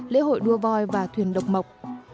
lễ hội đua voi và thuyền độc mộc